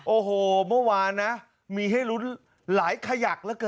โอ้โหเมื่อวานนะมีให้ลุ้นหลายขยักเหลือเกิน